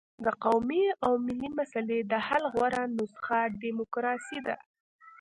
د قومي او ملي مسلې د حل غوره نسخه ډیموکراسي ده.